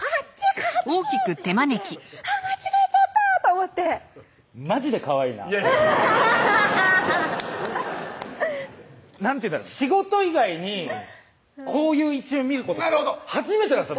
こっち！」ってやっててあっ間違えちゃったと思ってマジでかわいいななんていうか仕事以外にこういう一面見ることって初めてなんです